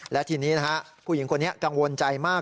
และทีนี้นะฮะผู้หญิงคนนี้กังวลใจมาก